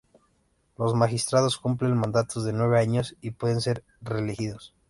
Los magistrados cumplen mandatos de nueve años y pueden ser reelegidos.